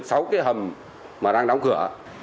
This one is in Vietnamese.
sáu cái hầm mà đang đóng cửa